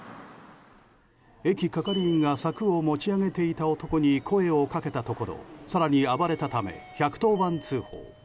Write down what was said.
駅係員が柵を持ち上げていた男に声をかけたところ更に暴れたため１１０番通報。